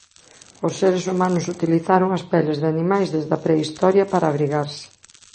Os seres humanos utilizaron as peles de animais desde a Prehistoria para abrigarse.